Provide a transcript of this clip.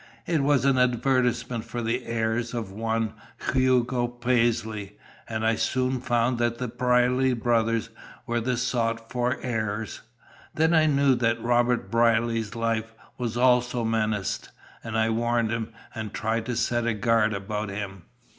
It was an advertisement for the heirs of one Hugo Paisley, and I soon found that the Brierly brothers were the sought for heirs. Then I knew that Robert Brierly's life was also menaced, and I warned him, and tried to set a guard about him.